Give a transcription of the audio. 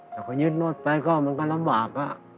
แต่พอยึดรถไปก็มันก็ลำบาก